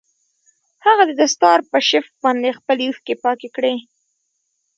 هغه د دستار په شف باندې خپلې اوښکې پاکې کړې.